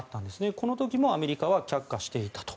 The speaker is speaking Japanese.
この時もアメリカは却下していたと。